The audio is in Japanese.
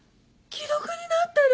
既読になってる。